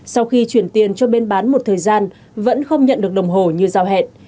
sau khi chuyển tiền cho bên bán một thời gian vẫn không nhận được đồng hồ như giao hẹn